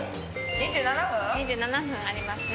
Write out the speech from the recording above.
２７分ありますね。